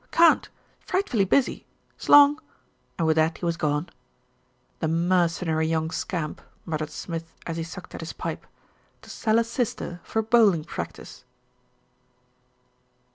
"Can't. Frightfully busy. S'long," and with that he was gone. "The mercenary young scamp," muttered Smith as he sucked at his pipe, "to sell a sister for bowling practice."